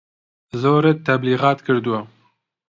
زۆرت تەبلیغات کردوە